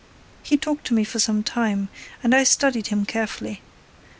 He talked to me for some time, and I studied him carefully.